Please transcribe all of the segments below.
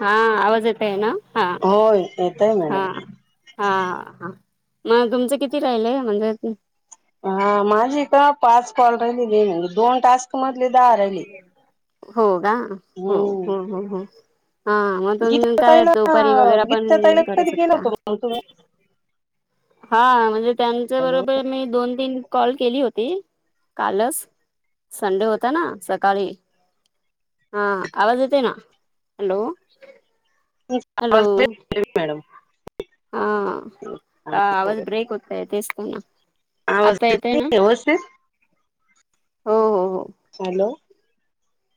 हा आवाज येत आहे ना?, हा होय, येतय हा मॅडम. हा हा, मग तुमचे किती राहिलय म्हणजे हा माझी इथ पाच कॉल राहिलेलेय मॅडम, दोन टास्क मधले, दहा राहिले हो का, हो हम्म हो हो हो. हा मग तुम्ही गीता काय ताईला दुपारी वगैरा पण गीता ताईला करू कधी केलं शकता. होत मग तुम्ही हा म्हणजे त्यांच्या हॅलो बरोबर मी दोन-तीन कॉल केली होती, कालच संडे होता ना सकाळी, हा आवाज येतोय ना?, हॅलो तुमचा हॅलो आवाज येत नाही मॅडम हा आवाज ब्रेक होतंय, तेच तर ना, आवाज आता येत येतय ना. [unintelligible] हो हो हो हॅलो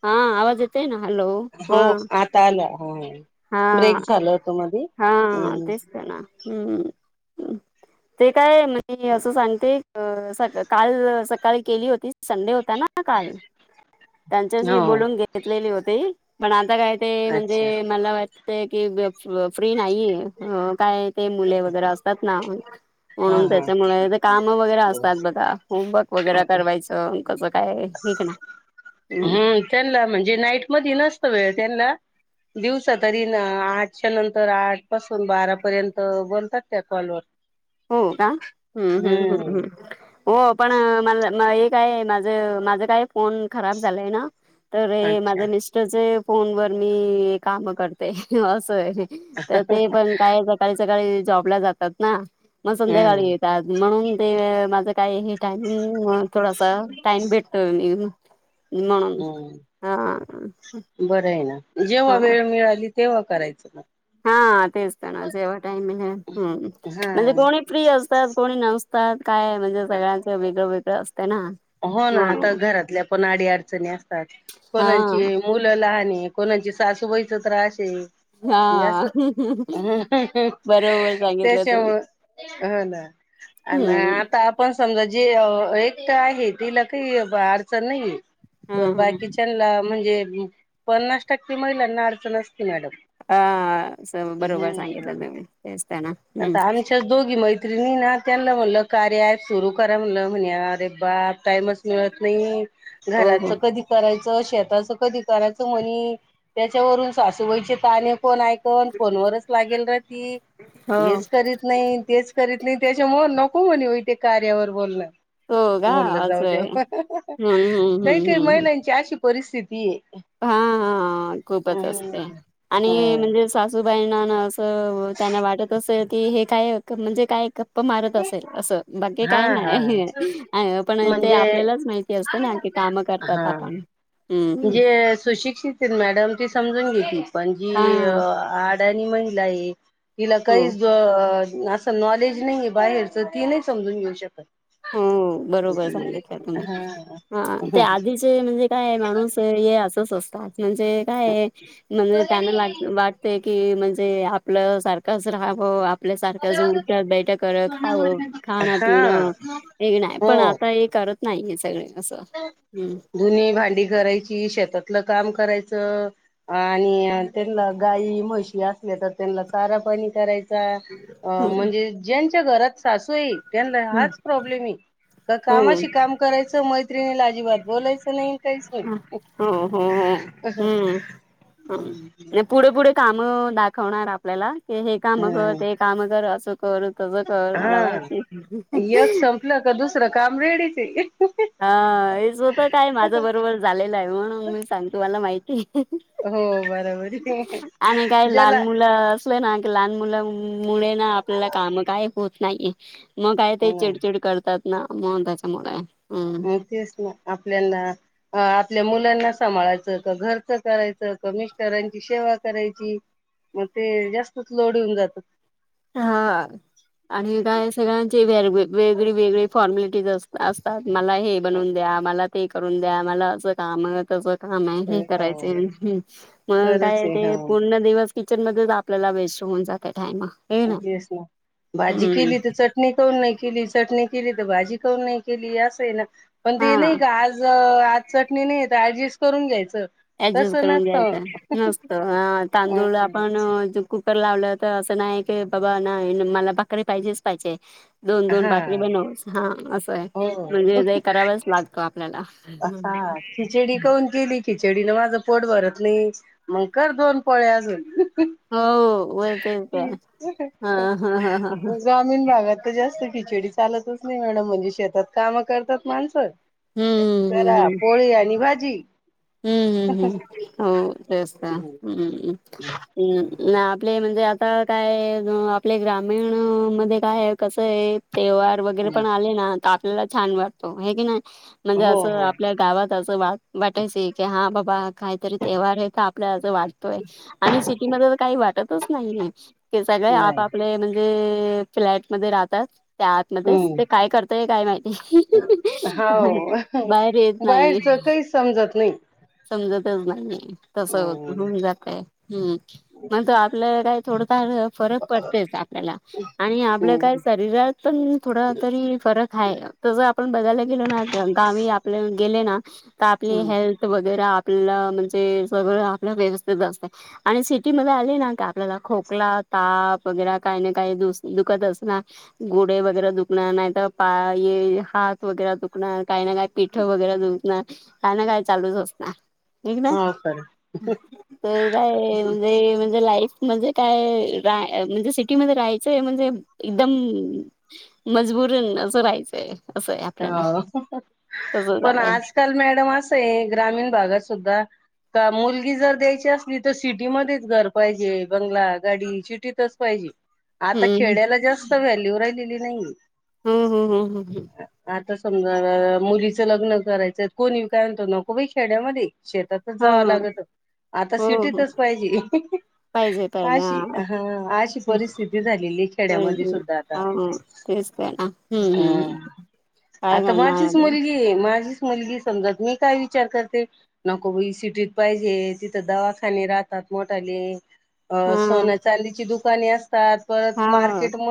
हा, आवाज येत तय ना, हॅलो हा हो, आता आला हो. हा, हा हम्म तेच तर ना, हम्म. [unintelligible] ते काय म मी अस सांगते अ, काल सकाळी केली होती, संडे होता ना काल. [inaudible] त्यांच्याशी हो बोलून घेतलेली होती, पण आता काय ते म्हणजे अच्छा मला वाटतय की फ्री नाहीये, काय ते मुले वगैरे असतात ना हा म्हणून हा त्याच्यामुळे, ते काम वगैरे असतात बघा होमवर्क वगैरे करवायचे तर कच काय हे क नाय. हम्म, त्यांनला म्हणजे नाईट मधी नसत वेळ त्यांनला. दिवसा तरी ना अ आठच्या नंतर आठ पासून बारापर्यंत बोलतात त्या कॉलवर. हो का, हम्म हम्म हम्म हम्म. हो पण अ मला मा एक काय माझं, माझं काय फोन खराब झालाय ना तर हे अच्छा माझ्या मिस्टरचे फोनवर मी काम करते अस आहे. तर ते पण काय क सकाळी-सकाळी जॉबला जातात ना, मग संध्याकाळी हम्म येतात. म्हणून ते मा काय हे टाइमिंग, थोडासा, टाइम भेटतोय मी. म्हणून हम्म, हा बरं आहे ना. जेव्हा हा वेळ मिळाली तेव्हा करायचं म. हा, तेच ते ना, जेव्हा टाईम मिळेल, हा म्हणजे कोणी फ्री असतात. कोणी नसतात. काय म्हणजे सगळ्यांचं वेगळं-वेगळं असते ना. हो ना, आता म्हणून घरातल्या पण अडी अडचणी असतात. हा कोणाची मु मूल लहाने, कोणाची सासूबाई च त्रास हे हा म आस, बरोबर सांगितलं तुम्ही त्याच्यामुळं हो ना, अन् हम्म. आता आ पण समजा, जे एकट आहे. तिला काही अडचण नाही आहे. वर हम्म बाकीच्याला म्हणजे, पन्नास टक्के महिलांना अडचण असते मॅडम. हा आस बरोबर हम्म सांगितलं तुम्ही, तेच त्याना आता आमच्याच दोघी मैत तिणी ना, त्यांना म्हणलं, कार्य अँप सुरु करा म्हणलं. म्हण अरे बाप टाइमच मिळत नाही. हो घरच हो कधी करायचं. शेताचं कधी करायचं म्हनी, त्याच्यावरून सासूबाईचे ताणे कोण पण, फोन वरच लागेल राहती. हो हेच करीत नाही. तेच करीत नाही. त्याच्यामूळ नको म्हणेवा, इते कार्यावर बोलणं. हो का म्हणलं, जाऊ असं आहे दे. हम्म हम्म हम्म काही-काही महिलांची आशी परिस्थिती येय. हा-हा खूपच असते. आणि हम्म म्हणजे सासूबाईंना असं त्यांना वाटत असेल की, हे काय, म्हणजे काय गप्पा मारत असेल. असं. बाकी हा काही हा नाही. पण ते म्हणजे आपल्यालाच माहिती असते ना, की कामं हा करतात आपण. हम्म जे सुशिक्षित मॅडम ती समजून घेती. पण जी हा आज त्यांनी महिला आहे. तिला हो. काहीच जोर असं नॉलेज नाही आहे. बाहेरच, ती नाही समजून घेऊ शकत. हो, बरोबर सांगितलं तुम्ही, हा हा ते आधीच म्हणजे काय, माणूस असच असतात. म्हणजे काय, म्हणजे त्यांना ते की आपलंच सारखंच राहावं. आप आपल्या सारखं ज, उटत बैठ कर, खावं खाणं, हा पिणं. वेग नाही. पण हो आता हे करत नाहीय, सगळे असं, हम्म. धुनी, भांडी करायची, शेतातलं काम करायचं, आणि त्यांना गायी, म्हशी असल्या तर, त्यांना चारा पाणी करायचा. अ हो म्हणजे ज्यांच्या घरात सासू आहे. त्यांना हाच प्रॉब्लेम आहे. हो कामाशी काम करायचं, मज त्रिनीला अजिबात बोलायचं नाही. काहीच नाही. हो हो हो [inaudible] पुढे-पुढे काम दाखवणार आपल्याला, की हे काम कर, ह ते काम कर, अस कर कसं कर, मला माहित नाही. [unintelligible] तर दुसरं काम रेडीच हाय. हा, हेच होत काय? माझं बरोबर झालेलं आहे. म्हणून मी सांगतो, मला माहिती आहे. हो, बरोबर आहे. आणि काय लहान ज्याला मुलं ना, क लहान मुला मुळे ना, आपल्याला काम काय होत नाहीये. मग काय ते, चिडचिड करतात ना, त्याच्यामुळे काय, हम्म. माहिती असणार, आपल्याला. अ आपल्या मुलांना सांभाळायचं का? घरच करायचं? का मिस्टरांची सेवा करायची? मग ते जास्तच लोड येऊन जातात. हा आणि काय सगळ्यांची व वेगळी वेगळी फॉर्मलिटीज असता असं तात. मला हे बनून द्या. मला ते करून द्या. मला अस काम तस काम हे करायच हो आहे आणि हे मग खरंच काय आहे ते हो पूर्ण दिवस किचन मध्ये आपल्याला वेस्ट होऊन जाते टाइम. तेच ना. भाजी हम्म केली तर, चट णी कौन नाही केली. चटणी केली तर भाजी कौन नाही केली. असं हाय ना. पण ते हा नाही का आज आज चटणी नाही आहे तर ऍडजस्ट करून घ्यायचं. ऍडजस्ट तसं करून नसतं घ्यायचं नसत. हा तांदूळ ला आपण कुकर लावलं तर असं नाही की बाबा ना मला भाकरी पाहिजेच पाहिजे. दोन दोन हा भाकरी बनवावच हा असं आहे. हो म्हणजे काही करावंच लागतो आपल्याला. हा खिचडी करून गेली. खिचडीनं माझं पोट भरत नाही. मग कर दोन पोळ्या अजून. हो. वळखायच हा ह हा हा हा ह. ग्रामीण भागात तर जास्त खिचडी चालतच नाही मॅडम. म्हणजे शेतात कामं करतात माणसं. हम्म हम्म करा पोळी आणि भाजी. हम्म हम्म हम्म हो तेच ना हम्ममम. हम्. आपले म्हणजे आता काय आपले ग्रामीण मध्ये काय आहे? कसं आहे? ते वार वगैरे पण आले ना. तर आपल्याला छान वाटतो हे की नाही. म्हणजे हो असं हो आपल्या गावात असं वा वाटायचे की हा बाबा काहीतरी तेव्हार येतात. आपले असं वाटतंय. आणि सिटी मध्ये तर काही वाटतच नाही. सगळे नाही आपापले म्हणजे, ते फ्लॅट मध्ये राहतात. त्या आतमध्येच हम्म ते काय करतय काय माहित. हो बाहेर येत नाही. बाहेरच काही समजत नाही. समजतच नाही. तस हम्म होऊन जातय. हम्म मग त आपल्या काय थोडंफार फरक पडतेच आपल्याला. आणि आपलं काय हम्म शरीरात पण थोडा तरी फरक आहे. तस आपण बघायला गेलो ना. गावी आपल्या गेले ना तर आपली हम्म हेल्थ वगैरा आपल्याला म्हणजे सगळं आपल व्यवस्थित असत. आणि सिटीमध्ये आले ना का, आपल्याला खोकला ताप वगैर, काही ना काही द दुखत असणार. गोडे वगैरे दुखणार नाही तर पाये, हात वगैरे दुखणार काही ना काही, पिठ वगैरा दळून आना काय ना काय चालूच असणार. एक ना हो सर तर काय म्हणजे म्हणजे लाईफ म्हणजे काय रा म्हणजे सिटीमध्ये राहायचंय म्हणजे एकदम मजबूरन नं राहायचंय. असं आहे आपल्याला हो. तस पण झालंय आजकाल मॅडम असं आहे ग्रामीण भागात सुद्धा का मुलगी जर द्यायची असली तर सिटीमध्येच घर पाहिजे. बंगला, गाडी सिटीतच पाहिजे. आता हम्म खेड्याला जास्त व्हॅल्यू राहिलेली नाही हाय. हो हो हम हम ह. आता समजा मुलीचं लग्न करायचं कोणी काय म्हणतो नको बाई खेड्यामध्ये शेतात जावं हम्म लागत. आता हो हो हो सिटीतच पाहिजे. पाहिजे पाहिजे अशी. हा हा अशी परिस्थिती झालेली आहे खेड्यामध्ये पाहिजे सुद्धा आता. हा तेच त्या ना. हम्म हम्म हम. काय आता करणार माझीच आता मुलगी माझीच मुलगी समजत मी काय विचार करते नको बाई सिटीत पाहिजे तिथं दवाखाने राहतात मोठाले अ हा सोन्या चांदीचे दुकाने असतात परत हा मार्केट म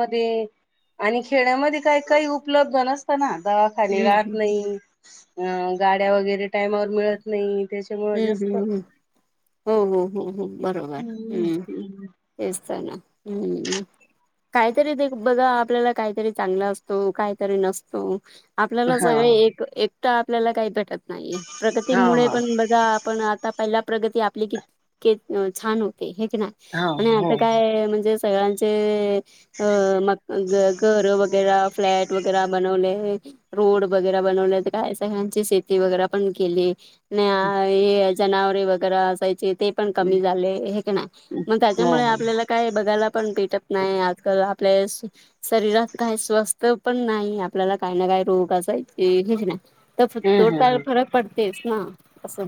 आणि खेड्यामध्ये काही काही उपलब्ध नसतना दवाखाने हम्म राहत नाही अ गाड्या वगैरे टायमावर मिळत नाही त्या हम्म हम् हम् हो हो हो हो बरोबर हम्म तेच तर ना हम्म काहीतरी ते बघा आपल्याला काहीतरी चांगला असतो काहीतरी नसतो आपल्याला हा सगळे एक एकट आपल्याला काही नाहीे हा प्रगतीमुळे हा पण तर आपण आता पहिला प्रगती आपली कितके छान होते हे की ना हा आणि आता हो काय म्हणजे सगळ्यांचे अ म घर वगैरे फ्लॅट वगैरे बनवले रोड वगैरे बनवले काय सगळ्यांची शेती वगैरे पण केली नाही जनावरे वैगेरे असायचे ते पण हो कमी झाले हे की नाही हो त्याच्यामुळे हम्म आपल्याला काय बघायला पण भेटत नाही आजकाल आपल्या शरीरात काही स्वस्त पण नाही आपल्याला काही ना काही रोग असाय हेच नाही तर हम्म हम्म तोडला फरक पडतेच ना असं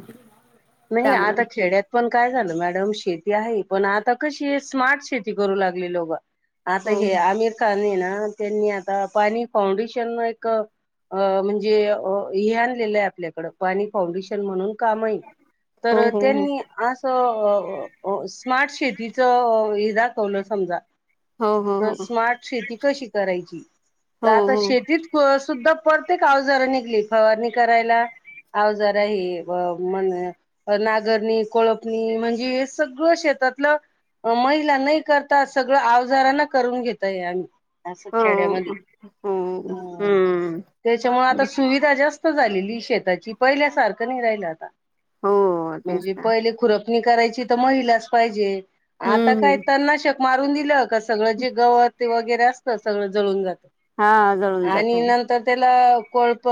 नाही त्यामुळे आता खेड्यात पण काय झालं मॅडम शेती आहे पण आता कशी स्मार्ट शेती करू लागली लोकं आता हो हे आमिर खान आहे ना त्यांनी आता पाणी फाउंडेशन एक अ म्हणजे हे आणलेलं आहे आपल्याकडं पाणी फाउंडेशन म्हणून कामही तर हो हो त्यांनी असं स्मार्ट शेतीचं हे दाखवलं समजा हो हो स्मार्ट शेती कशी करायची हो तर आता हो शेतीत सुद्धा परतेक आवजार निघली फवारणी करायला आवजार आहे मण नागरणी कोळपणी म्हणजे हे सगळं शेतातलं महिला नाही करत सगळं आवजाराना करून घेतय आम्ही अस हो हो खेड्यामध्ये हो हो हम्म त्याच्यामुळे आता सुविधा जास्त झालेली शेताची पहिल्यासारखं नाही राहिल आता हो तेच म्हणजे ना पहिले खुरपणी करायची तर महिलाच पाहिजे आता हम्म काय हम्म तन नाशक मारून दिलं का सगळं जे गवत ते वगैरे असतं सगळं जळून जात हा जळून जात आणि आहे नंतर तर त्याला कोळप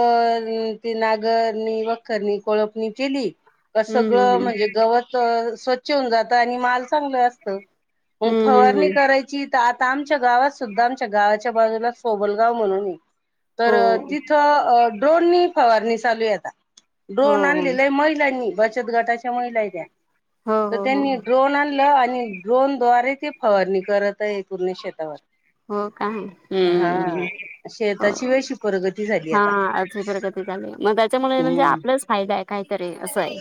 ती नागरनी वखरणी कोळपणी केली हम्म सगळं हम्म म्हणजे गवत स्वच्छ होऊन जातं आणि माल चांगलं असतं म हम्म हम्म फवारणी हम्म करायची कि आता आमच्या गावात सुद्धा आमच्या गावाच्या बाजूला सोबलगाव म्हणून आहे तर हो तिथं ड्रोननी फवारणी चालू आहे आता ड्रोन हो आणलंय महिलानी बचत गटाच्या म हो तर हो हो त्यांनी ड्रोन आणलय आणि ड्रोन द्वारे ते फवारणी करत तळे आहे पूर्णे शेतावर हो काय हा हो शेताची वेशी प्रगती झाली हा आता अ आज प्रगत मग त्याच्यामुळे म्हणजे हम्म. आपलाच फायदा आहे काहीतरी असं आहे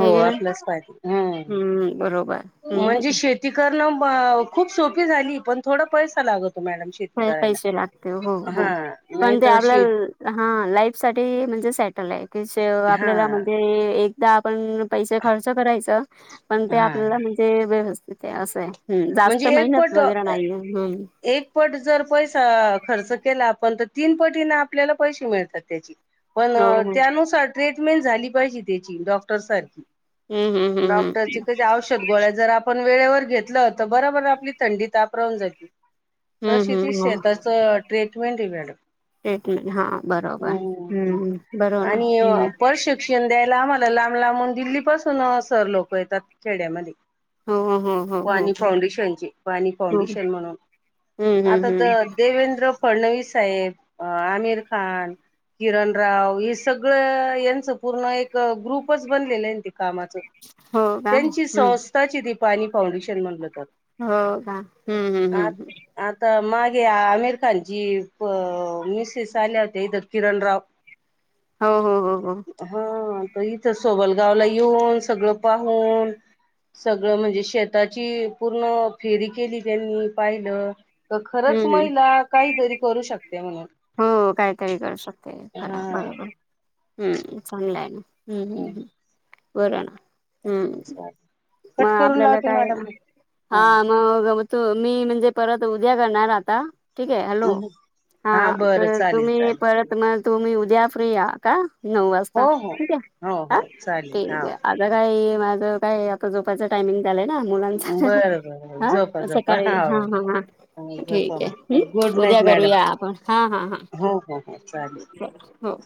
हे घे ना आपलंच फायदा हम् हम्म बरोबर हम्म म्हणजे शेती शेती करण खूप सोपी झाली पण थोडा पैसा लागतो मॅडम शेती लै करायला. पैसे लागते हो हो हा नाही पण ते तर शेत आपल्याला हा लाईफ साठी म्हणजे सेटल आहे की, हा आपल्याला म्हणजे एक ते आपण पैसे खर्च करायचं, पण ते हा आपल्याला म्हणजे व्यवस्थित आहे असं आहे. जास्त म्हणजे एक मेहनत पट वगैरे नाहीये. हम्म. एक पट जर पैसा खर्च केला आपण, तर तीन पटी ना आपल्याला पैसे मिळतात त्याचे. पण हो हो त्यानुसार ट्रीटमेंट झाली पाहिजे त्याची, डॉक्टर सारखी हम्म हम्म हम्म हम्म. डॉक्टरची कशी औषध गोळ्या जर आपण वेळेवर घेतलं ना तर बराबर आपली थंडी ताप राहून जाईल, हम्म तशी ती हम्म हो शेताच ट्रीटमेंट देऊया. ट्रीटमेंट हा बरोबर ह हम्म बरोबर ना आणि हम्म. प्रशिक्षण काय लांब आला लांब लांब दिल्ली पासून, सर लोक येतात खेड्यामध्ये. ह, ह, ह, ह. फाउंडेशनची पाणी फाउंडेशन म्हणून, हम्म हम्म आता हम्म तर देवेंद्र फडणवीस साहेब, अ आमिर खान किरण राव हे सगळं यांचं पूर्ण एक ग्रुपच बनलेलं आहे न ते कामाचं. हो का त्यांची हम्म संस्थाचीय दिपाणी फाउंडेशन म्हणल. हो का हम्म हम्म हम्म. आता मागे आमिर खानची मिसेस आल्या होत्या, इत किरण राव. [inaudible] हो हो हो. हा तर इथं सोबलगावला येऊन सगळं पाहून सगळं म्हणजे शेताची पूर्ण फेरी केली, त्यांनी पाहिलं तर हम्म खरंच हम्म महिलांना काहीतरी करू शकते म्हणून. हो काहीतरी करू शकते खरा, हा बरोबर हम्म चांगलं आहे. हं, हं, हं बोला ना. हम्म मग कट करून आपल्याला लावते काय मॅडम काम मग म तूमी म्हणजे परत उद्या करणार आता. ठीक आहे हॅलो हा बरं तर तुम्ही चालेल. परत मग तुम्ही उद्या फ्री आहा का. नऊ हो वाजता हो ठीक आहे. हो हा हो चालेल हा ठीकय आता काय माझ आता जो झोपेच टायमिंग झालाय ना मुलांचा. बरं बरं हा झोपा झोपा सकाळी हा हो हा. झोपा ठीक आहे मग गुड उद्या नाईट मॅडम करूया आपण. हा हा हा हो हो हो चालेल हो.